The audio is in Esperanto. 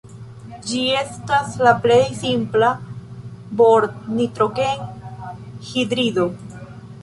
Ĝi estas la plej simpla bor-nitrogen-hidrido.